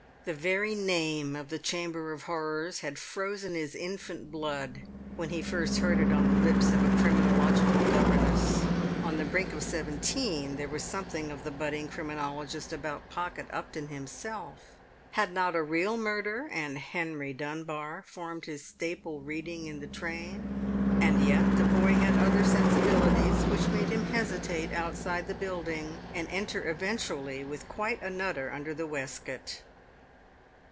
The very name of the Chamber of Horrors had frozen his infant blood when he first heard it on the lips of a criminological governess. On the brink of seventeen there was something of the budding criminologist about Pocket Upton himself; had not a real murder and Henry Dunbar formed his staple reading in the train? And yet the boy had other sensibilities which made him hesitate outside the building, and enter eventually with quite a nutter under the waistcoat.